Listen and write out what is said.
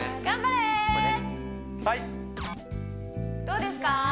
頑張れはいどうですか？